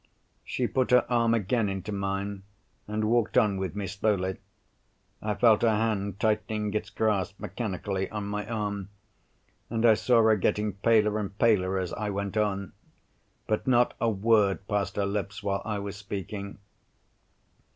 She put her arm again into mine, and walked on with me slowly. I felt her hand tightening its grasp mechanically on my arm, and I saw her getting paler and paler as I went on—but, not a word passed her lips while I was speaking.